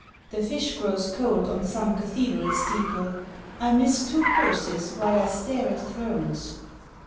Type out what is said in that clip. The fish grows cold on some cathedral steeple, I miss two courses while I stare at thrones.